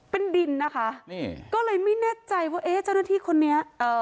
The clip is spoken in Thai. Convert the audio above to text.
เป็นดินนะคะก็เลยไม่แน่ใจว่าเจ้าหน้าที่คนนี้